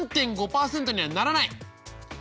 ３．５％にはならない。